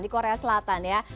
di korea selatan ya